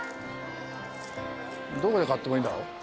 どこで買ってもいいんだろ？